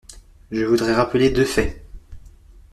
Je voudrais rappeler deux faits.